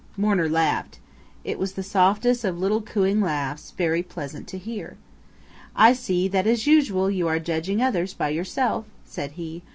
Mourner laughed. It was the softest of little cooing laughs, very pleasant to hear. "I see that as usual you are judging others by yourself," said he.